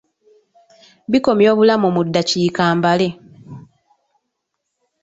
Bikomya obulamu mu ddakiika mbale.